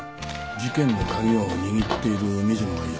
事件の鍵を握っている水野が行方不明。